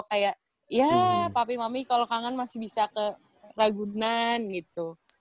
kayak ya papi mami kalau kangen masih bisa ke ragunan gitu